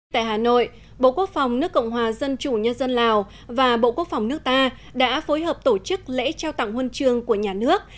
tại hà nội bộ quốc phòng nước cộng hòa dân chủ nhân dân lào và bộ quốc phòng nước ta đã phối hợp tổ chức lễ trao tặng huân trường của nhà nước